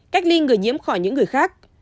cách ly người nhiễm khỏi những người khác